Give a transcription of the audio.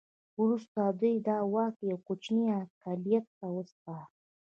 وروسته دوی دا واک یو کوچني اقلیت ته وسپاره.